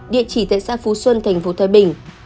địa chỉ tại xã phú xuân tp thái bình